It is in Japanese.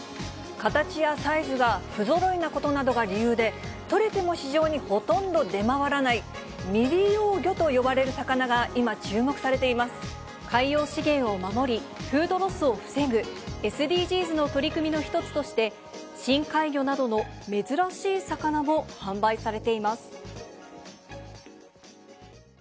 形やサイズが不ぞろいなことなどが理由で、取れても市場にほとんど出回らない未利用魚と呼ばれる魚が今、海洋資源を守り、フードロスを防ぐＳＤＧｓの取り組みの一つとして、深海魚などの珍しい魚も販売されています。